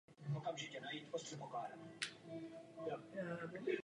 Poražený z druhého kola měl sestoupit pro příští rok do příslušné krajské soutěže.